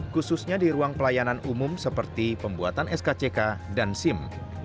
khususnya di ruang pelayanan umum seperti pembuatan skck dan sim